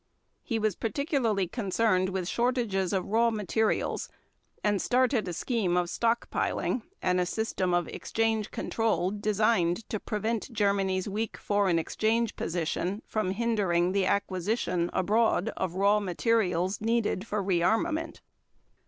He was particularly concerned with shortages of raw materials and started a scheme of stock piling, and a system of exchange control designed to prevent Germany's weak foreign exchange position from hindering the acquisition abroad of raw materials needed for rearmament.